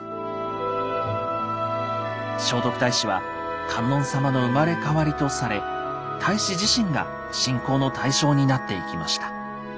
聖徳太子は観音様の生まれ変わりとされ太子自身が信仰の対象になっていきました。